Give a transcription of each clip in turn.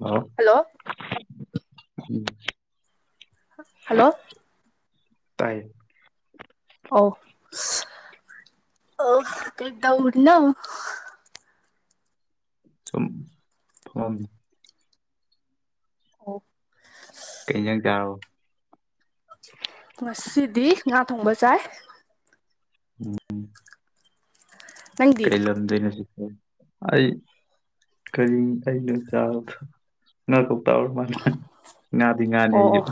ꯍꯥꯎ hello hello ꯇꯥꯏ ꯑꯣ ꯑꯗꯥ ꯎꯅ ꯐꯥꯎ ꯑꯣ ꯀꯩ ꯆꯔꯑꯣ ꯉꯁꯤꯗꯤ ꯉꯥ ꯊꯣꯡꯕ ꯆꯥꯏ ꯎꯝ ꯅꯪꯗꯤ ꯀꯩ ꯂꯝꯗꯣꯏꯅꯣ ꯁꯤ ꯑꯩ ꯀꯔꯤ ꯑꯩꯅꯣ ꯆꯥ ꯇꯧꯔ ꯃꯥꯅꯤ ꯉꯥꯗꯤ ꯉꯥꯅꯤ ꯑꯣ ꯑꯣ ꯑꯩꯁꯨ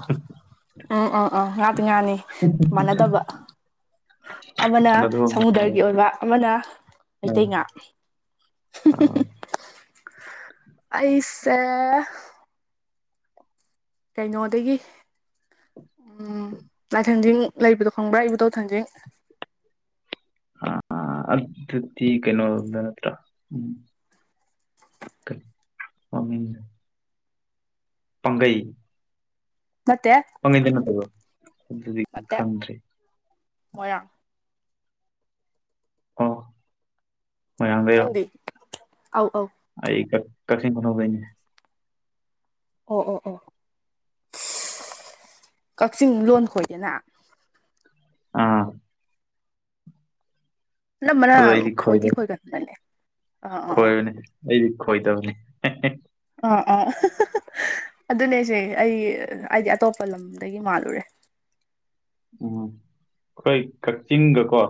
ꯎꯝ ꯎꯝ ꯎꯝ ꯉꯥꯇꯤ ꯉꯥꯅꯤ ꯃꯥꯟꯅꯗꯕ ꯑꯃꯅ ꯑꯅꯗꯣꯝ ꯁꯃꯨꯗ꯭ꯔꯒꯤ ꯑꯣꯏꯕ ꯑꯃꯅ ꯃꯇꯩꯉ ꯑꯩꯁ ꯀꯩꯅꯣꯗꯒꯤ ꯎꯝ ꯂꯥꯏꯊꯟꯖꯤꯡ ꯂꯩꯕꯗꯣ ꯈꯪꯕ꯭ꯔꯥ ꯑꯩꯕꯨ ꯇꯣ ꯊꯟꯖꯤꯡ ꯑ ꯑꯗꯨꯗꯤ ꯀꯩꯅꯣꯗ ꯅꯠꯇ꯭ꯔꯥ ꯎꯝ ꯐꯃꯤ ꯄꯪꯒꯩ ꯅꯠꯇꯦ ꯀꯗꯅꯠꯇꯕꯣ ꯑ ꯀꯥꯟꯔꯤ ꯃꯌꯥ ꯑꯣ ꯃꯌꯥꯝꯡ ꯀꯩꯔꯣ ꯅꯪꯗꯤ ꯑꯧ ꯑꯧ ꯑꯩ ꯀ ꯀꯈꯤꯡ ꯀꯅꯣꯕꯦ ꯑꯣ ꯑꯣ ꯑꯣ ꯀꯛꯆꯤꯡ ꯂꯣꯟ ꯈꯣꯏꯗꯅ ꯑꯥ ꯑꯅꯝꯕꯅ ꯈꯣꯏꯗꯤ ꯈꯣꯏꯒꯟꯅꯅꯦ ꯈꯣꯏꯕꯅꯤ ꯑꯩꯗꯤ ꯈꯣꯏꯗꯕꯅꯤ ꯑꯥ ꯑꯥ ꯑꯗꯨꯅꯦꯁꯦ ꯑꯩ ꯍꯥꯏꯗꯤ ꯑꯇꯣꯞꯄ ꯂꯝꯗꯒꯤ ꯃꯥꯜꯂꯨꯔꯦ ꯎꯝ ꯑꯩꯈꯣꯏ ꯀꯛꯆꯤꯡꯒꯀꯣ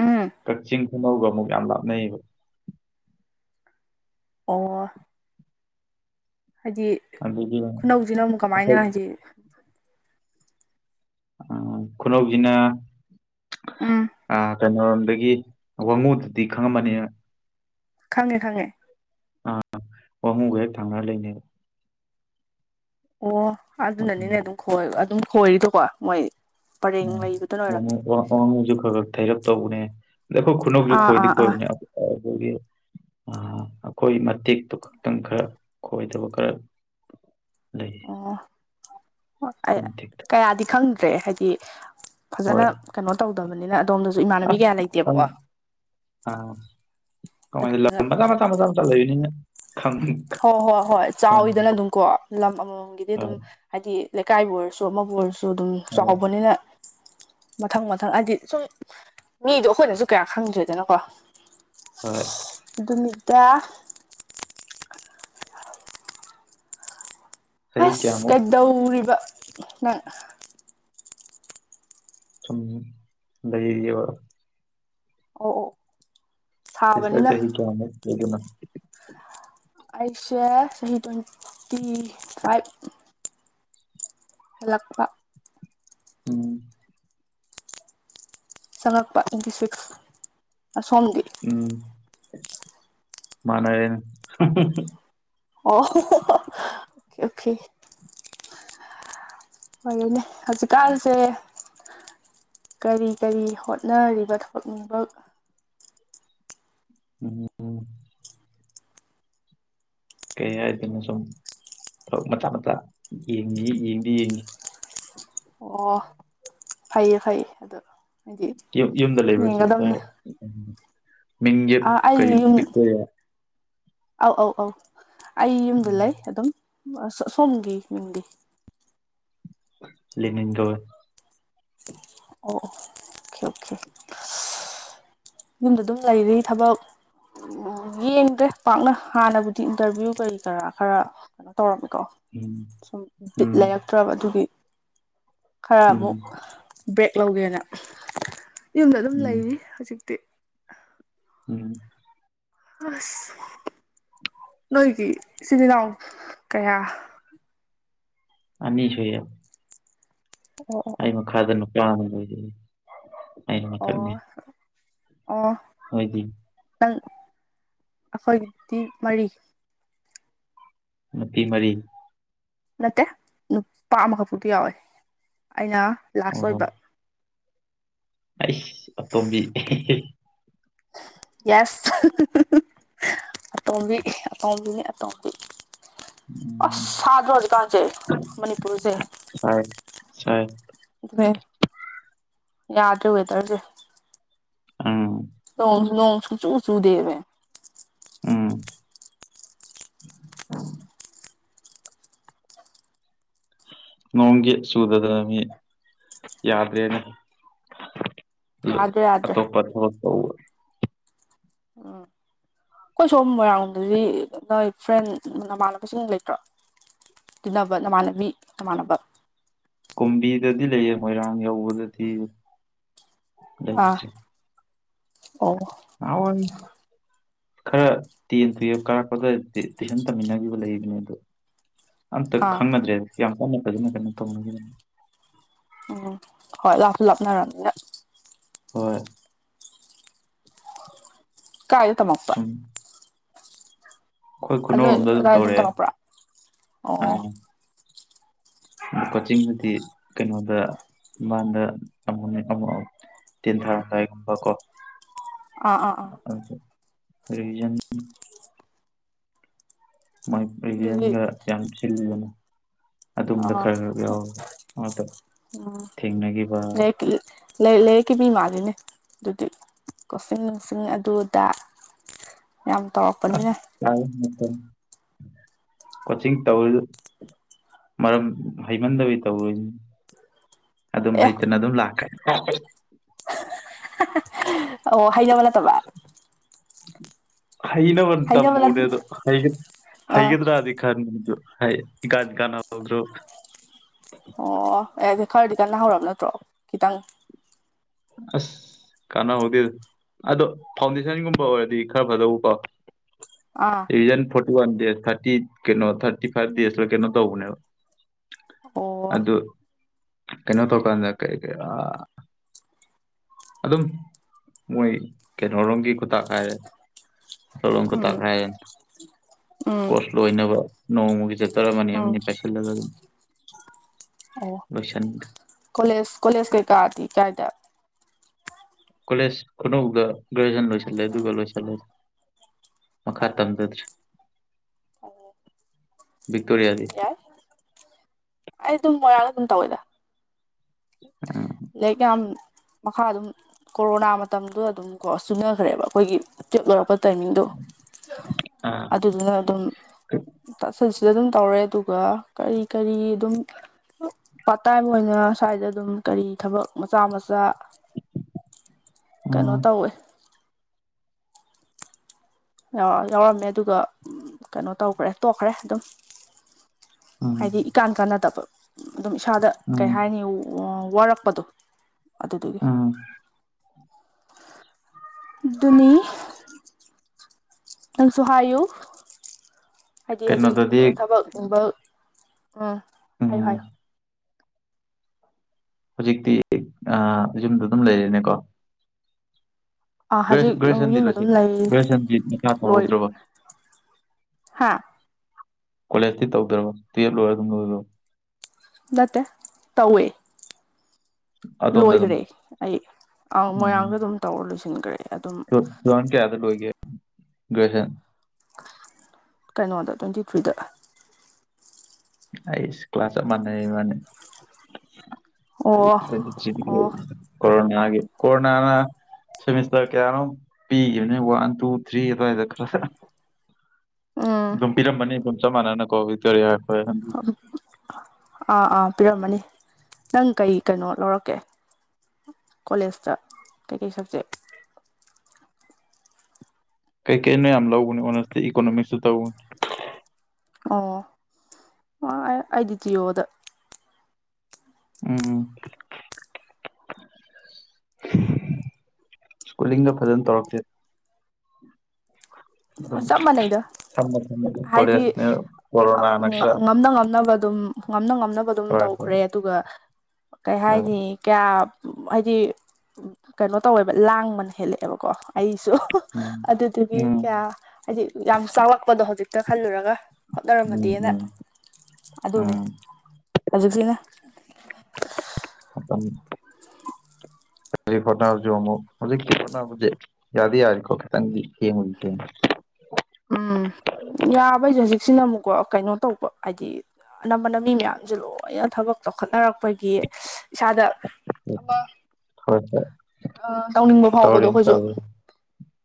ꯎꯝ ꯀꯛꯆꯤꯡ ꯑꯅꯒ ꯑꯃꯨꯛ ꯌꯥꯝ ꯂꯥꯞꯅꯩꯌꯦꯕ ꯑꯣ ꯍꯥꯏꯗꯤ ꯑꯗꯨꯒꯤ ꯈꯨꯅꯧꯁꯤꯅ ꯑꯃꯨꯛ ꯀꯃꯥꯏꯅ ꯑꯩꯈꯣꯏ ꯍꯥꯏꯗꯤ ꯈꯨꯅꯧꯁꯤꯅ ꯎꯝ ꯀꯩꯅꯔꯣꯝꯗꯒꯤ ꯋꯥꯉꯨꯗꯨꯗꯤ ꯈꯪꯉꯝꯃꯅꯤ ꯈꯪꯉꯦ ꯈꯪꯉꯦ ꯋꯥꯍꯨꯝꯒ ꯍꯦꯛ ꯊꯥꯡꯅꯔ ꯂꯩꯅꯦꯕ ꯑꯣ ꯑꯩꯈꯣꯏ ꯑꯗꯨꯅꯅꯤꯅꯦ ꯑꯗꯨꯝꯣꯏ ꯑꯗꯨꯝ ꯈꯣꯏꯔꯤꯗꯣꯀꯣ ꯃꯣꯏ ꯄꯔꯦꯡ ꯂꯩꯕꯗꯨꯅ ꯑꯣꯏꯔꯝꯅꯤ ꯎꯝꯖꯤ ꯈꯔ ꯊꯥꯏꯔꯠꯇꯕꯨꯅꯦ ꯑꯩꯈꯣꯏ ꯈꯨꯅꯧꯁꯨ ꯑꯥ ꯈꯣꯏꯗꯤ ꯑꯥ ꯑꯥ ꯈꯣꯏꯕꯅꯦ ꯑꯩꯈꯣꯏ ꯃꯇꯦꯛꯇꯨ ꯈꯛꯇꯪ ꯈꯔ ꯈꯣꯏꯗꯕ ꯈꯔ ꯂꯩ ꯍ ꯑꯩ ꯑꯩꯈꯣꯏ ꯃꯇꯦꯛꯇ ꯀꯌꯥꯗꯤ ꯈꯪꯗ꯭ꯔꯦ ꯍꯥꯏꯗꯤ ꯍꯣꯏ ꯐꯖꯅ ꯀꯩꯅꯣ ꯇꯧꯗꯕꯅꯤꯅ ꯑꯗꯣꯝꯗꯁꯨ ꯏꯃꯥꯟꯅꯕꯤ ꯑꯁ ꯀꯌꯥ ꯈꯪ ꯂꯩꯇꯦꯕꯀꯣ ꯑ ꯀꯃꯥꯏ ꯑꯗꯨꯗꯨꯅ ꯃꯊ ꯃꯆꯥ ꯃꯆꯥ ꯃꯆꯥ ꯂꯩꯌꯅꯤꯅ ꯍꯣꯏ ꯍꯣꯏ ꯍꯣꯏ ꯆꯥꯎꯋꯤꯗꯅ ꯑꯗꯨꯝ ꯀꯣ ꯂꯝ ꯑꯃꯃꯝꯒꯤꯗꯤ ꯑꯗꯨꯝ ꯍꯣꯏ ꯍꯥꯏꯗꯤ ꯂꯩꯀꯥꯏꯕꯨ ꯑꯣꯏꯔꯁꯨ ꯑꯃꯕꯨ ꯑꯣꯏꯔꯁꯨ ꯑꯗꯨꯝ ꯍꯣꯏ ꯆꯥꯎꯕꯅꯤꯅ ꯃꯊꯪ ꯃꯊꯪ ꯍꯥꯏꯗꯤ ꯁꯨꯝ ꯃꯤꯗꯣ ꯑꯩꯈꯣꯏꯅꯁꯨ ꯀꯌꯥ ꯈꯪꯗꯣꯏꯗꯅꯀꯣ ꯍꯣꯏ ꯅꯨꯃꯤꯠꯇ ꯆꯍꯤ ꯑꯁ ꯀꯌꯥꯃꯨꯛ ꯀꯩꯗꯧꯔꯤꯕ ꯅꯪ ꯁ ꯂꯩ ꯌꯦꯕ ꯑꯣ ꯑꯣ ꯏꯁꯇꯔ ꯁꯥꯕꯅꯤꯅ ꯆꯍꯤ ꯀꯌꯥ ꯂꯩꯗꯅ ꯑꯩꯁꯦ ꯆꯍꯤꯍꯤ ꯇ꯭ꯋꯦꯟꯇꯤ ꯐꯥꯏꯚ ꯍꯂꯄ꯭ꯔ ꯎꯝ ꯆꯪꯉꯛꯄ ꯇ꯭ꯋꯦꯟꯇꯤ ꯁꯤꯛꯁ ꯑꯁꯣꯝ ꯎꯝ ꯃꯥꯅꯔꯦꯅ ꯑꯣ ꯑꯣꯀꯦ ꯑꯣꯏꯒꯅꯦ ꯍꯧꯖꯤꯛꯀꯥꯟꯁꯦ ꯀꯔꯤ ꯀꯔꯤ ꯍꯣꯠꯅꯔꯤꯕ ꯊꯕꯛꯅꯤꯡꯕ ꯑꯣꯝ ꯀꯩ ꯍꯥꯏꯅ ꯁ ꯃꯆꯥ ꯃꯆꯥ ꯌꯦꯡꯉ ꯌꯦꯡꯗꯤ ꯌꯦꯡꯉ ꯑꯣ ꯐꯩꯌꯦ ꯐꯩꯌꯦ ꯑꯗꯨ ꯌꯨꯝꯗ ꯂꯩꯕꯕꯁꯤ ꯁꯔ ꯃꯖ ꯑꯥ ꯀꯔꯤ ꯑꯩ ꯌꯨꯝ ꯑꯧ ꯑꯧ ꯑꯧ ꯑꯩ ꯌꯨꯝꯗ ꯎꯝ ꯂꯩ ꯑꯗꯨꯝ ꯑꯁ ꯁꯝ ꯃꯤꯒꯤ ꯂꯅꯤꯒ ꯑꯣ ꯑꯣꯀꯦ ꯑꯣꯀꯦ ꯌꯨꯝꯗ ꯑꯗꯨꯝ ꯂꯩꯔꯤ ꯊꯕꯛ ꯎ ꯌꯦꯡꯗ꯭ꯔꯦ ꯄꯥꯛꯅ ꯍꯥꯟꯅꯕꯨꯗꯤ ꯏꯟꯇꯔꯚꯤꯌꯨ ꯀꯔꯤ ꯀꯔꯥ ꯈꯔ ꯀꯩꯅꯣ ꯇꯧꯔꯝꯃꯤ ꯀꯣ ꯎꯝ ꯁꯨꯝ ꯎꯝ ꯂꯩꯔꯛꯇ꯭ꯔꯕ ꯑꯗꯨꯒꯤ ꯈꯔ ꯎꯝ ꯑꯃꯨꯛ ꯕ꯭ꯔꯦꯛ ꯂꯧꯒꯦꯅ ꯌꯨꯝꯗ ꯑꯗꯨꯝ ꯎꯝ ꯂꯩꯔꯤ ꯍꯧꯖꯤꯛ ꯎꯝ ꯍꯁ ꯅꯣꯏꯒꯤ ꯏꯆꯤꯜ ꯏꯅꯥꯎ ꯀꯌꯥ ꯑꯅꯤꯁꯨ ꯍꯣꯏ ꯌꯥ ꯑꯣ ꯑꯣ ꯑꯩ ꯃꯈꯥꯗ ꯅꯨꯄꯥ ꯑꯃ ꯂꯩꯔꯤꯌꯦ ꯑꯩꯅ ꯑꯣ ꯑꯣ ꯃꯊꯛꯅꯦ ꯑꯣ ꯍꯣꯏꯗꯤ ꯪ ꯑꯩꯈꯣꯏꯗꯤ ꯃꯔꯤ ꯃꯄꯤ ꯃꯔꯤ ꯅꯠꯇꯦ ꯅꯨꯄꯥ ꯑꯃꯈꯛꯄꯥꯎꯗꯨ ꯌꯥꯎꯋꯦ ꯑꯩꯅ ꯂꯥꯁ ꯑꯣꯏꯕ ꯑꯩ ꯑ ꯇꯝꯕꯤ ꯌꯦꯁ ꯑꯇꯣꯝꯕꯤ ꯑꯇꯣꯝꯕꯤꯅꯦ ꯑꯇꯣꯝꯕꯤ ꯑꯁ ꯎꯝ ꯁꯥꯗ꯭ꯔꯖꯤꯀꯥꯟꯁꯦ ꯃꯅꯤꯄꯨꯔꯁꯦ ꯁꯥꯏ ꯁꯥꯏ ꯑꯗꯨ ꯌꯥꯗ ꯑꯣꯏ ꯇꯁꯦ ꯑ ꯅꯣꯡ ꯅꯣꯡ ꯁꯨꯡꯆꯨ ꯆꯨꯗꯦꯃꯦ ꯎꯝ ꯅꯣꯡꯒꯤ ꯆꯨꯗꯗꯅ ꯃꯤ ꯌꯥꯗ꯭ꯔꯦꯅꯦ ꯌꯥꯗ꯭ꯔꯦ ꯌꯥꯗ꯭ꯔꯦ ꯑꯇꯣꯞꯄ ꯊꯕꯛ ꯇꯧꯕ ꯎꯝ ꯑꯩꯈꯣꯏ ꯁꯣꯝ ꯃꯣꯏꯔꯥꯡꯔꯣꯡꯗꯗꯤ ꯅꯣꯏ ꯐ꯭ꯔꯦꯟ ꯅꯃꯥꯟꯅꯕꯁꯤꯡ ꯂꯩꯇ꯭ꯔꯣ ꯇꯤꯟꯅꯕ ꯅꯃꯥꯟꯅꯕꯤ ꯅꯃꯥꯟꯅꯕ ꯀꯨꯝꯕꯤꯗꯗꯤ ꯂꯩꯌꯦ ꯃꯣꯏꯔꯥꯡ ꯌꯧꯕꯗꯗꯤ ꯑꯥ ꯂꯩꯇ꯭ꯔꯦ ꯑꯣ ꯑꯣꯏ ꯈꯔ ꯇꯦꯟ ꯇꯨꯌꯦꯜꯐ ꯀꯥꯔꯛꯄ ꯑꯗ꯭ꯋꯥꯏꯗꯗꯤ ꯇꯨꯏꯁꯟ ꯇꯝꯃꯤꯟꯅꯈꯤꯕ ꯂꯩꯕꯅꯦ ꯑꯗꯣ ꯑꯝꯇ ꯑꯥ ꯈꯪꯅꯗ꯭ꯔꯦ ꯌꯥꯝ ꯀꯟꯅ ꯐꯖꯅ ꯀꯩꯅꯣ ꯇꯧꯅꯒꯤꯗꯦ ꯎꯝ ꯍꯣꯏ ꯂꯥꯞꯁꯨ ꯂꯥꯞꯅꯔꯕꯅꯤꯅ ꯍꯣꯏ ꯀꯥꯏꯗ ꯇꯝꯃꯛꯄ ꯁꯨꯝ ꯑꯩꯈꯣꯏ ꯅꯣꯏ ꯈꯨꯅꯧꯔꯣꯝꯗ ꯑꯗꯨꯝ ꯑꯗꯥꯏ ꯇꯧꯔꯛꯑꯦ ꯇꯝꯃꯛꯄ꯭ꯔꯥ ꯑꯣ ꯎꯝ ꯑꯗꯣ ꯀꯣꯆꯤꯡꯗꯗꯤ ꯀꯩꯅꯣꯗ ꯏꯝꯕꯥꯟꯗ ꯇꯝꯃꯝꯃꯦ ꯑꯃꯨꯛ ꯑꯃꯨꯛ ꯇꯦꯟ ꯊꯥꯔꯝꯗꯥꯏꯒꯨꯝꯕ ꯀꯣ ꯑꯥ ꯑꯥ ꯑꯥ ꯔꯤꯖꯟ ꯃꯥꯏ ꯑꯗꯨꯗꯤ ꯔꯤꯕꯤꯖꯟꯒ ꯌꯥꯝ ꯁꯤꯜꯂꯤꯗꯅ ꯑꯗꯨꯝꯕ ꯑꯥ ꯈꯔ ꯈꯔ ꯌꯥꯎ ꯑꯃꯇ ꯎꯝ ꯊꯦꯡꯅꯈꯤꯕ ꯂꯩ ꯂꯥꯏꯔꯤꯛ ꯂꯥꯏꯔꯤꯛꯀꯤ ꯃꯤ ꯃꯥꯜꯂꯤꯅꯦ ꯑꯗꯨꯗꯤ ꯀꯣꯆꯤꯡ ꯅꯨꯡꯆꯤꯡ ꯑꯗꯨ ꯑꯗꯥ ꯌꯥꯝ ꯑꯁ ꯇꯧꯔꯛꯄꯅꯤꯅ ꯂꯥꯏꯕ ꯃꯇꯝ ꯀꯣꯆꯤꯡ ꯇꯧꯔꯤ ꯃꯔꯝ ꯍꯩꯃꯟꯗꯕꯩ ꯇꯧꯔꯣꯏꯅꯤꯅꯦ ꯑꯗꯨꯝ ꯑꯦ ꯍꯩꯇꯅ ꯑꯗꯨꯝ ꯂꯥꯛꯈ꯭ꯔꯦ ꯑꯣ ꯍꯩꯅꯕ ꯅꯠꯇꯕ ꯍꯩꯅꯕꯅ ꯍꯩꯅꯕ ꯇꯝꯃꯨꯕꯅꯦ ꯑꯗꯨ ꯍꯩꯒ ꯑꯥ ꯍꯩꯒꯗ꯭ꯔꯗꯤ ꯈꯟꯕꯅꯤ ꯑꯗꯨ ꯍꯥꯏꯗꯤ ꯏꯀꯥꯟ ꯀꯥꯟꯅꯍꯧꯗ꯭ꯔꯕ ꯑꯣ ꯑꯦ ꯑꯗꯨ ꯈꯔꯗꯤ ꯀꯥꯟꯅ ꯍꯧꯔꯕ ꯅꯠꯇ꯭ꯔꯣ ꯈꯤꯇꯪ ꯑꯁ ꯀꯥꯟꯅꯍꯧꯗꯦꯗ ꯑꯗꯣ ꯐꯥꯎꯟꯗꯦꯁꯟꯒꯨꯝꯕ ꯑꯣꯏꯔꯗꯤ ꯈꯔ ꯐꯗꯧꯕꯀꯣ ꯑꯥ revision forty one days thirty ꯀꯩꯅꯣ ꯊꯥꯔꯇꯤ ꯐꯥꯏꯚ ꯗꯦꯖꯂ ꯀꯩꯅꯣ ꯇꯧꯕꯅꯦꯕ ꯑꯣ ꯑꯗꯨ ꯀꯩꯅꯣ ꯇꯧꯀꯥꯟꯗ ꯀꯔꯤ ꯀꯔꯤ ꯑꯥ ꯑꯗꯨꯝ ꯃꯣꯏ ꯀꯩꯅꯣꯔꯣꯝꯒꯤ ꯈꯨꯇꯥꯛ ꯍꯥꯏꯔꯦ ꯏꯝꯐꯥꯜꯂꯣꯝ ꯈꯨꯇꯥꯛ ꯎꯝ ꯍꯥꯏꯔꯦꯅ ꯎꯝ ꯀꯣꯔꯁ ꯂꯣꯏꯅꯕ ꯅꯣꯡꯃꯒꯤ ꯆꯦꯞꯇꯔ ꯑꯃꯅꯤ ꯎꯝ ꯑꯃꯅꯤ ꯄꯥꯏꯁꯤꯜꯂꯒ ꯑꯗꯨꯅꯤ ꯑꯣ ꯂꯣꯏꯁꯟꯒ꯭ꯔꯦ ꯀꯣꯂꯦꯖ ꯀꯣꯂꯦꯖ ꯀꯩꯀꯥꯗꯤ ꯀꯥꯏꯗ ꯀꯣꯂꯦꯖ ꯈꯨꯅꯧꯗ ꯒ꯭ꯔꯦꯖꯨꯦꯁꯟ ꯂꯣꯏꯁꯤꯜꯂꯦ ꯑꯗꯨꯒ ꯂꯣꯏꯁꯤꯜꯂꯦ ꯃꯈꯥ ꯇꯝꯗꯗ꯭ꯔꯦ ꯕꯤꯛꯇꯣꯔꯤꯌꯥꯒꯤ ꯌꯥꯏ ꯑꯩ ꯑꯗꯨꯝ ꯃꯣꯏꯔꯥꯡꯗ ꯑꯗꯨꯝ ꯇꯧꯋꯦꯗ ꯎꯝ ꯂꯩꯔꯤꯛ ꯌꯥꯝ ꯃꯈꯥ ꯑꯗꯨꯝ ꯀꯣꯔꯣꯅꯥ ꯃꯇꯝꯗꯨꯗ ꯑꯗꯨꯝ ꯀꯣ ꯆꯨꯅꯈ꯭ꯔꯦꯕ ꯑꯩꯈꯣꯏꯒꯤ ꯇꯨꯌꯦꯜꯄ ꯂꯣꯏꯔꯛꯄ ꯇꯥꯏꯃꯤꯡꯗꯣ ꯑꯥ ꯑꯗꯨꯗꯨꯅ ꯑꯗꯨꯝ ꯇ ꯁꯟꯁꯤꯗ ꯑꯗꯨꯝ ꯇꯧꯔꯦ ꯑꯗꯨꯒ ꯀꯔꯤ ꯀꯔꯤ ꯑꯗꯨꯝ ꯄꯇꯥꯏꯕ ꯑꯣꯏꯅ ꯁ꯭ꯋꯥꯏꯗ ꯑꯗꯨꯝ ꯀꯔꯤ ꯊꯕꯛ ꯃꯆꯥ ꯃꯆꯥ ꯀꯩꯅꯣ ꯎꯝ ꯇꯧꯋꯦ ꯌꯥꯎꯔꯝꯃꯦ ꯑꯗꯨꯒ ꯀꯩꯅꯣ ꯇꯧꯈ꯭ꯔꯦ ꯇꯣꯛꯈ꯭ꯔꯦ ꯑꯗꯨꯝ ꯎꯝ ꯍꯥꯏꯗꯤ ꯏꯀꯥꯟ ꯀꯥꯟꯅꯗꯕ ꯑꯗꯨꯝ ꯏꯁꯥꯗ ꯎꯝ ꯀꯩ ꯍꯥꯏꯅꯤ ꯋꯥꯔꯛꯄꯗꯣ ꯑꯗꯨꯗꯨꯒꯤ ꯎꯝ ꯑꯗꯨꯅꯤ ꯅꯪꯁꯨ ꯍꯥꯏꯌꯨ ꯍꯥꯏꯗꯤ ꯍꯧꯖꯤꯛ ꯀꯩꯅꯣꯗꯗꯤ ꯊꯕꯛ ꯅꯨꯝꯕꯛ ꯎꯝ ꯍꯥꯏꯌꯨ ꯎꯝ ꯍꯥꯏꯌꯨ ꯍꯧꯖꯤꯛꯇꯤ ꯌꯨꯝꯗ ꯑꯗꯨꯝ ꯂꯩꯔꯦꯅꯦꯀꯣ ꯑꯥ ꯒ꯭ꯔꯦꯖꯨ ꯍꯧꯖꯤꯛ ꯒ꯭ꯔꯦꯖꯨꯑꯦꯁꯟꯗꯤ ꯌꯨꯝꯗ ꯑꯗꯨꯝ ꯂꯣꯏꯁꯤꯜ ꯂꯩ ꯒ꯭ꯔꯦꯖꯨꯑꯦꯁꯟꯗꯤ ꯃꯈꯥ ꯂꯣꯏ ꯇꯧꯍꯧꯗ꯭ꯔꯕ ꯍꯥꯥ ꯀꯣꯂꯦꯖꯇꯤ ꯇꯧꯗ꯭ꯔꯃ ꯇꯨꯌꯦꯞ ꯂꯣꯏꯔꯒꯗꯝ ꯅꯠꯇ ꯇꯋꯦ ꯑꯗꯣꯝꯗ ꯑꯗꯨꯝ ꯂꯣꯏꯈ꯭ꯔꯦ ꯑꯩ ꯑꯪ ꯎꯝ ꯃꯣꯏꯔꯥꯡꯒ ꯑꯗꯨꯝ ꯇꯧꯔ ꯂꯣꯏꯁꯤꯟꯈ꯭ꯔꯦ ꯑꯗꯨꯝ ꯇꯨ ꯊꯥꯎꯖꯟ [unintelligible] ꯀꯩꯅꯣꯗ ꯇ꯭ꯋꯦꯟꯇꯤ ꯊ꯭ꯔꯤꯗ ꯑꯩꯁ ꯀ꯭ꯂꯥꯁ ꯆꯞ ꯃꯥꯟꯅꯩ ꯏꯕꯅꯤ ꯑꯣ ꯑꯣ [unintelligible] ꯀꯣꯔꯔꯣꯅꯥꯒꯤ ꯀꯣꯔꯣꯅꯥꯅ ꯁꯦꯃꯤꯁꯇꯔ ꯀꯌꯥꯅꯣ ꯄꯤꯈꯤꯕꯅꯦ ꯋꯥꯟ ꯇꯨ ꯊ꯭ꯔꯤ ꯑꯗꯨꯋꯥꯏꯗ ꯈꯔ ꯎꯝ ꯑꯗꯨꯝ ꯄꯤꯔꯝꯕꯅꯤ ꯑꯗꯨꯝ ꯆ ꯃꯥꯅꯅ ꯀꯣꯔ ꯑꯥ ꯑꯥ ꯄꯤꯔꯝꯃꯅꯤ ꯅꯪ ꯀꯩ ꯀꯩꯅꯣ ꯂꯧꯔꯛꯀꯦ ꯀꯣꯂꯦꯖꯇ ꯀꯩꯀꯩ ꯁꯕꯖꯦꯛ ꯀꯩꯀꯩꯅꯣ ꯌꯥꯝ ꯂꯧꯕꯅꯤ ꯑꯣꯅꯦꯁꯇꯤ ꯏꯀꯣꯅꯣꯃꯤꯛꯁꯇ ꯇꯧꯕꯅꯤ ꯑꯣ ꯑꯥꯏꯗꯤ ꯖꯤ ꯑꯣꯗ ꯎꯝ ꯁ꯭ꯀꯨꯂꯤꯡꯒ ꯐꯖꯅ ꯇꯧꯔꯛꯇꯦ ꯑꯗꯨꯝ ꯆꯞ ꯃꯅꯩ ꯗ ꯁꯝꯅ ꯁꯝꯅ ꯑꯗꯨꯝ ꯍꯥꯏꯗꯤ ꯀꯣꯂꯦꯖꯅꯦ ꯀꯣꯔꯣꯅꯥꯅ ꯈꯔ ꯉꯝꯅ ꯉꯝꯅꯕ ꯑꯗꯨꯝ ꯉꯝꯅ ꯉꯝꯅꯕ ꯑꯗꯨꯝ ꯇꯧꯔꯛꯄ ꯇꯧꯈ꯭ꯔꯦ ꯑꯗꯨꯒ ꯀꯩ ꯍꯥꯏꯅꯤ ꯀꯌꯥ ꯍꯥꯏꯗꯤ ꯀꯩꯅꯣ ꯇꯧꯋꯦꯕ ꯂꯥꯡꯕꯅ ꯍꯦꯜꯂꯛꯑꯦꯕꯀꯣ ꯑꯩ ꯎꯝ ꯑꯗꯨꯗꯨꯒꯤ ꯎꯝ ꯍꯥꯏ ꯌꯥꯝ ꯆꯥꯎꯕꯛ ꯑꯄꯗꯣ ꯍꯧꯖꯤꯛꯇ ꯈꯜꯂꯨꯔꯒ ꯎꯝ ꯍꯣꯠꯅꯔꯝꯃꯗꯦꯅ ꯎꯝ ꯑꯗꯨꯅꯤ ꯎꯝ ꯍꯧꯖꯤꯀꯁꯤꯅꯥ ꯍꯄꯝ ꯑꯗꯩ ꯍꯣꯠꯅꯕꯁꯦ ꯑꯃꯨꯛ ꯍꯧꯖꯤꯛꯇꯤ ꯍꯣꯠꯅꯕꯁꯦ ꯌꯥꯗꯤ ꯌꯥꯔꯤꯀꯣ ꯈꯤꯇꯪꯗꯤ ꯊꯦꯡꯗꯤ ꯊꯦꯡꯉꯦ ꯎꯝ ꯌꯥꯕꯩꯁꯨ ꯍꯧꯖꯤꯛꯁꯤꯅ ꯑꯃꯨꯛꯀꯣ ꯀꯩꯅꯣ ꯇꯧꯕ ꯍꯥꯏꯗꯤ ꯑꯅꯝꯕꯅ ꯃꯤ ꯃꯌꯥꯝꯁꯨ ꯂꯣꯏꯅ ꯊꯕꯛ ꯆꯥꯎꯈꯠꯅꯔꯛꯄꯒꯤ ꯏꯁꯥꯗ ꯍꯣꯏ ꯍꯣꯏ [unintelligible] ꯇꯧꯅꯤꯡꯕ ꯐꯥꯎꯕꯗꯣ ꯇꯧꯔꯤꯅꯤ ꯑꯩꯈꯣꯏꯁꯨ ꯇꯧꯔꯤꯅꯤ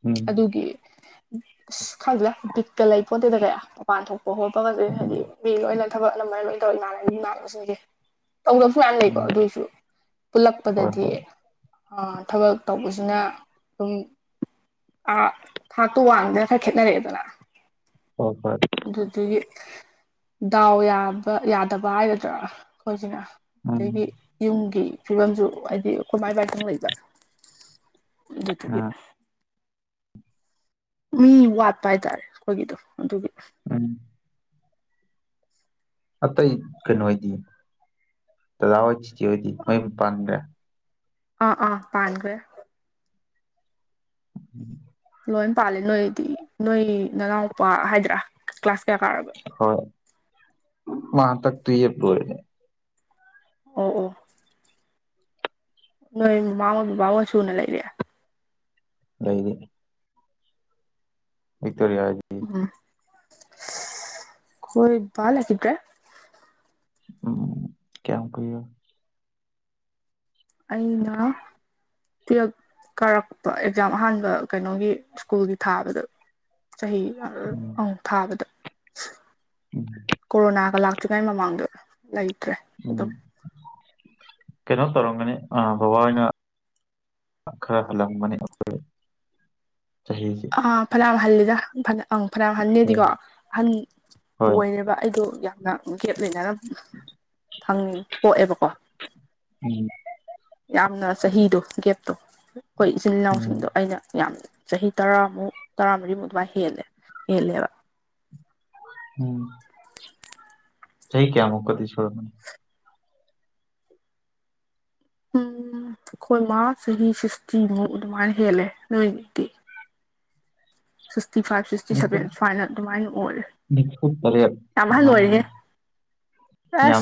ꯎꯝ ꯑꯗꯨꯒꯤ ꯑꯁ ꯈꯪꯗꯦꯗꯥ ꯕꯤꯠꯀ ꯂꯩꯄꯣꯠꯇꯦꯗ ꯀꯌꯥ ꯃꯄꯥꯟ ꯊꯣꯛꯄ ꯈꯣꯠꯄꯒꯁꯦ ꯍꯥꯏꯗꯤ ꯎꯝ ꯃꯤ ꯂꯣꯏ [inaudible] ꯇꯧꯗꯕꯁꯨ ꯃꯌꯥꯝꯅ ꯂꯩꯀꯣ ꯑꯗꯨꯑꯣꯏꯁꯨ ꯍꯣꯏ ꯄꯨꯜꯂꯛꯄꯗꯗꯤ ꯍꯣꯏ ꯊꯕꯛ ꯇꯧꯕꯁꯨ ꯁꯤꯅ ꯑꯗꯨꯝ ꯊꯥꯛꯇꯣ ꯋꯥꯟꯗꯅ ꯈꯔ ꯈꯦꯠꯅꯔꯛꯑꯦꯗꯅ ꯍꯣꯏ ꯍꯣꯏ ꯑꯗꯨꯗꯒꯤ ꯗꯥꯎ ꯌꯥꯕ ꯌꯥꯗꯕ ꯍꯥꯏꯒꯗ꯭ꯔꯥ ꯑꯩꯈꯣꯏꯁꯤꯅ ꯎꯝ ꯑꯗꯒꯤ ꯌꯨꯝꯒꯤ ꯐꯤꯕꯝꯁꯨ ꯍꯥꯏꯗꯤ ꯑꯩꯈꯣꯏ ꯃꯥꯏ ꯄꯥꯏꯇꯪ ꯂꯩꯕ ꯑꯗꯨꯇꯒꯤ ꯎꯝ ꯃꯤ ꯋꯥꯠꯄ ꯍꯥꯏꯇꯥꯔꯦ ꯑꯩꯈꯣꯏꯒꯤꯗꯣ ꯑꯗꯨꯒꯤ ꯑ ꯑꯇꯩ ꯀꯩꯅꯣ ꯑꯣꯏꯗꯤ ꯇꯗꯥꯋꯥꯏ ꯆꯤꯆꯦꯍꯣꯏꯗꯤ ꯃꯌꯨꯝ ꯄꯥꯡꯈ꯭ꯔꯦ ꯑꯥ ꯑꯥ ꯄꯥꯡꯒꯦ ꯎꯝ ꯂꯣꯏ ꯄꯥꯜꯂꯤ ꯅꯣꯏꯗꯤ ꯅꯣꯏ ꯅꯅꯥꯎꯎꯨꯄꯥ ꯍꯥꯏꯗ꯭ꯔꯥ ꯀ꯭ꯂꯥꯁ ꯀꯌꯥ ꯀꯥꯔꯕ ꯍꯣꯏ ꯃꯥꯇꯥꯛ ꯇꯨ ꯄ ꯑꯣ ꯑꯣ ꯅꯣꯏ ꯃꯃꯥꯉ ꯕꯕꯥꯒ ꯁꯨꯅ ꯂꯩꯔꯦ ꯂꯩꯩꯗꯤ ꯍꯛꯇꯔꯤ ꯍꯥꯏꯦ ꯎ ꯀꯣꯏ ꯂꯒꯦꯗ꯭ꯔꯦ ꯎꯝ ꯀꯌꯥꯝ ꯀꯣ ꯑꯅꯥ ꯇꯨꯌꯦꯜꯐ ꯀꯥꯔꯛꯄ ꯑꯦꯛꯖꯥꯝ ꯑꯍꯥꯟꯕ ꯀꯩꯅꯣꯒꯤ ꯁ꯭ꯀꯨꯜꯒꯤ ꯊꯥꯕꯗ ꯆꯍꯤ ꯎꯝ ꯑꯃꯨꯛ ꯊꯥꯕꯗ ꯎꯝ ꯀꯣꯔꯣꯅꯥꯒ ꯂꯥꯛ ꯠꯇ꯭ꯔꯤꯉꯩ ꯃꯃꯥꯡꯗꯣ ꯂꯩꯇ꯭ꯔꯦ ꯎꯝ ꯑꯗꯨꯝ ꯀꯩꯅꯣ ꯇꯧꯔꯝꯒꯅꯤ ꯑ ꯕꯕꯥ ꯑꯣꯏꯅ ꯑ ꯈꯔ ꯍꯂꯥꯡ ꯃꯅꯤ ꯑꯩꯈꯣꯏ ꯑ ꯐꯔꯥꯝ ꯍꯜꯗ ꯐꯂ ꯑꯪ ꯍꯣꯏ ꯐꯅꯍꯟꯅꯗꯤꯀꯣ ꯑꯍꯟ ꯍꯣꯏ ꯑꯣꯏꯔꯦꯕ ꯑꯩꯗꯣ ꯌꯥꯝꯅ ꯒꯦꯞ ꯂꯩꯅꯔ ꯪꯅꯤꯡ ꯄꯣꯛꯑꯦꯕꯀꯣ ꯎꯝ ꯌꯥꯝꯅ ꯆꯍꯤꯗꯣ ꯒꯦꯞꯇꯣ ꯑꯩꯈꯣꯏ ꯏꯆꯤꯜ ꯎꯝ ꯏꯅꯥꯎꯁꯤꯡꯗꯣ ꯑꯩꯅ ꯌꯥꯝ ꯆꯍꯤ ꯇꯔꯥꯃꯨꯛ ꯇꯔꯥꯃꯔꯤꯃꯨꯛ ꯑꯗꯨꯃꯥꯏ ꯍꯦꯜꯂꯦ ꯍꯦꯜꯂꯦꯕ ꯎꯝ ꯊꯩ ꯀꯌꯥ ꯃꯨꯀꯗꯤꯁꯣ ꯃꯅꯤ ꯎꯝ ꯑꯩꯈꯣꯏ ꯃꯥ ꯆꯍꯤ ꯁꯤꯛꯁꯇꯤꯃꯨꯛ ꯑꯗꯨꯃꯥꯏꯅ ꯍꯦꯜꯂꯦ ꯅꯣꯏꯒꯤꯗꯤ ꯁꯤꯛꯁꯇꯤ ꯐꯥꯏꯚ ꯁꯤꯛꯁꯇꯤ ꯅꯤꯐꯨ ꯁꯚꯦꯟ ꯁꯨꯃꯥꯏꯅ ꯑꯗꯨꯃꯥꯏꯅ ꯑꯣꯏꯔꯦ ꯅꯤꯐꯨ ꯇꯔꯦꯠ ꯌꯥꯝ ꯑꯍꯜ ꯑꯗꯨꯃꯥꯏꯅ ꯑꯣꯏꯔꯍꯦ ꯌꯥꯝ ꯑꯁ